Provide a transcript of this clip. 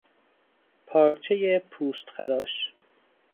پارچهی پوستخراش